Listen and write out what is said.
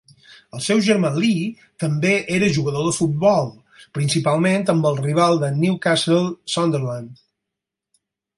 El seu germà Lee també era jugador de futbol, principalment amb el rival de Newcastle, Sunderland.